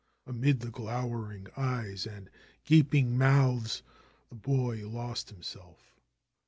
Amid the glowering eyes and gaping mouths the boy lost himself.